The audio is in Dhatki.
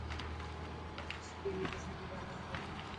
ڪشش ٽي وي تي سنڌي گانا هلي تا.